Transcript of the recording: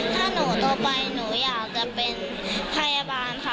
ถ้าหนูโตไปหนูอยากจะเป็นพยาบาลค่ะ